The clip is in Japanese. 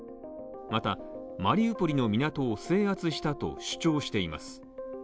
またマリウポリの港を制圧したと主張しています。